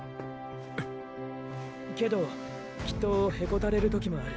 けどきっとへこたれる時もある。